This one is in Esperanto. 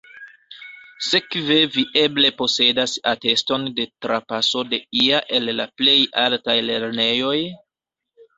Sekve vi eble posedas ateston de trapaso de ia el la plej altaj lernejoj?